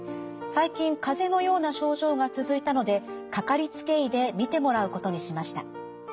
最近かぜのような症状が続いたのでかかりつけ医で診てもらうことにしました。